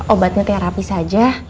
obatnya terapi saja